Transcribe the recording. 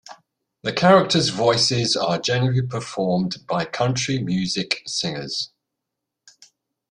The characters' voices are generally performed by country music singers.